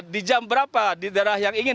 di jam berapa di daerah yang ingin